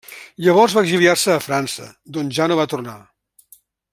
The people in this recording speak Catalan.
Llavors va exiliar-se a França, d'on ja no va tornar.